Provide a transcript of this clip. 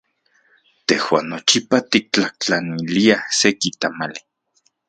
Tejuan nochipa tiktlajtlaniliaj seki tamali.